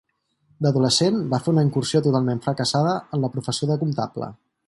D'adolescent va fer una incursió totalment fracassada en la professió de comptable.